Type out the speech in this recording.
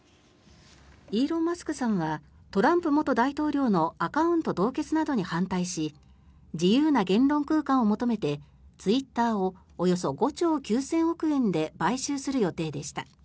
イーロン・マスクさんはトランプ元大統領のアカウント凍結などに反対し自由な言論空間を求めてツイッターをおよそ５兆９０００億円で買収する予定でした。